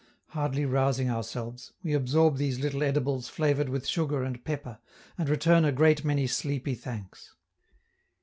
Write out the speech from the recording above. Hardly rousing ourselves, we absorb these little edibles flavored with sugar and pepper, and return a great many sleepy thanks.